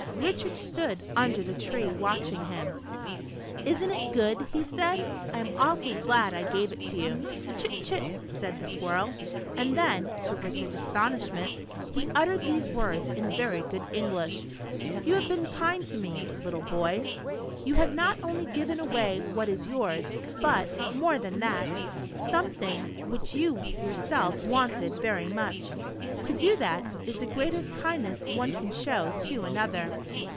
Richard stood under the tree watching him. "Is n't it good?" he said. "I am awfully glad I gave it to you." "Chit, chit," said the squirrel; and then, to Richard's astonishment, he uttered these words in very good English : "You have been kind to me, little boy. You have not only given away what is yours, but, more than that, something which you yourself wanted ver}^ much. To do that, is the greatest kindness one can show to another.